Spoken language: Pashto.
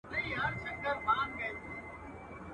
د دې وطن د شمله ورو قدر څه پیژني.